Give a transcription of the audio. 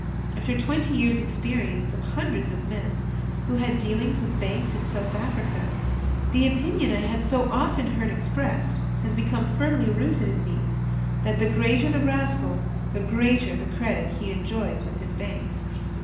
After twenty years' experience of hundreds of men, who had dealings with banks in South Africa, the opinion I had so often heard expressed has become firmly rooted in me, that the greater the rascal the greater the credit he enjoys with his banks.